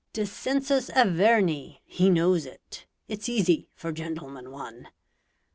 Descensus Averni he knows it; It's easy for "Gentleman, One".